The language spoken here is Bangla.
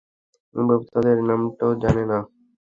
মা-বাপ তাদের নামটাও জানে না।